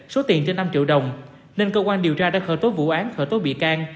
số tiền trên năm triệu đồng nên cơ quan điều tra đã khởi tố vụ án khởi tố bị can